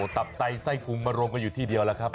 อ๋อตับใต้ไทรฟุมรมก็อยู่ที่เดียวแล้วครับ